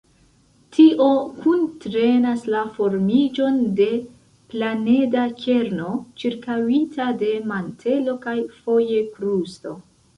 Tio kuntrenas la formiĝon de planeda kerno ĉirkaŭita de mantelo kaj, foje, krusto.